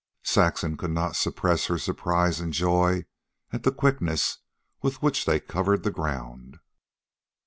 Saxon could not suppress her surprise and joy at the quickness with which they covered the ground.